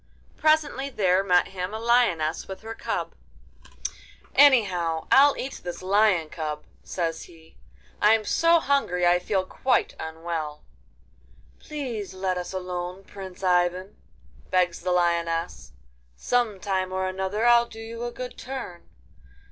Presently there met him a lioness with her cub. 'Anyhow, I'll eat this lion cub,' says he; 'I'm so hungry I feel quite unwell!' 'Please let us alone, Prince Ivan!' begs the lioness; 'some time or other I'll do you a good turn.